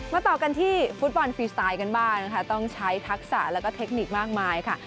ต่อกันที่ฟุตบอลฟรีสไตล์กันบ้างนะคะต้องใช้ทักษะแล้วก็เทคนิคมากมายค่ะ